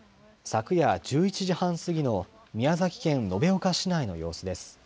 昨夜１１時半過ぎの宮崎県延岡市内の様子です。